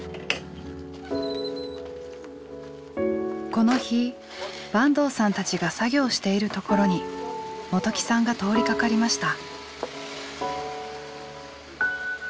この日坂東さんたちが作業しているところに元起さんが通りかかりました。